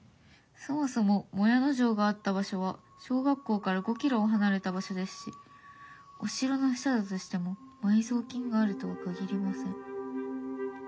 そもそも靄野城があった場所は小学校から５キロ離れた場所ですしお城の下だとしても埋蔵金があるとは限りません」。